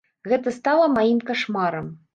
Гэта стала маім кашмарам.